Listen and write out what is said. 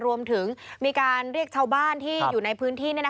รวมถึงมีการเรียกชาวบ้านที่อยู่ในพื้นที่